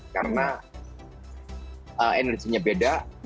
karena energinya beda